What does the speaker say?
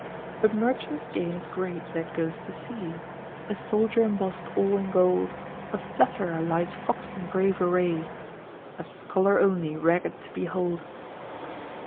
A merchant's gain is great, that goes to sea; A soldier embossed all in gold; A flatterer lies fox'd in brave array; A scholar only ragged to behold.